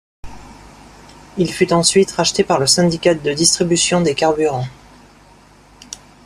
Il fut ensuite racheté par le syndicat de distribution des carburants.